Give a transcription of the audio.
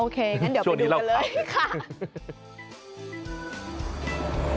ช่วงนี้เล่าข้าว